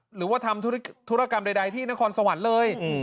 หรือว่าทำธุรกรรมใดที่นครสวรรค์เลย